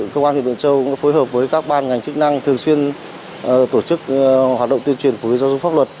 công an thị tượng châu cũng phối hợp với các ban ngành chức năng thường xuyên tổ chức hoạt động tiêm truyền phối giáo dục pháp luật